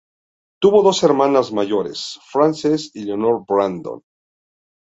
Tuvo dos hermanas mayores, Frances y Leonor Brandon.